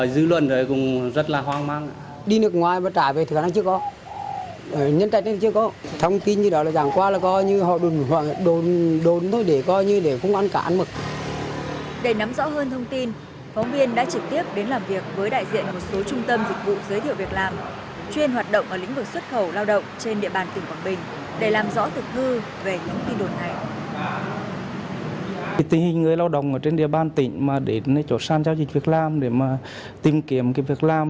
để nắm rõ hơn thông tin phóng viên đã trực tiếp đến làm việc với đại diện một số trung tâm dịch vụ giới thiệu việc làm